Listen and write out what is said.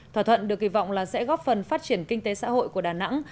thỏa thuận được kỳ vọng là sẽ góp phần phát triển kinh tế xã hội của đà nẵng